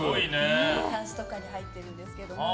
たんすとかに入ってるんですけど。